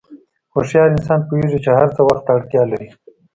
هوښیار انسان پوهېږي چې هر څه وخت ته اړتیا لري.